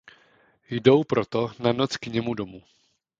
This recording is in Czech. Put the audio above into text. Jdou proto na noc k němu domů.